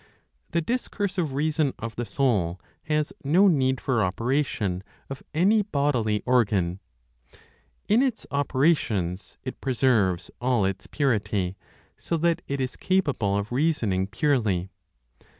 The discursive reason of the soul has no need, for operation, of any bodily organ; in its operations, it preserves all its purity, so that it is capable of reasoning purely.